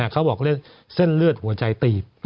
เขาบอกเรื่องเส้นเลือดหัวใจตีบ